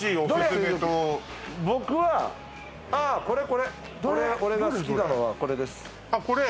僕はああこれこれ俺が好きなのはこれですあっこれ？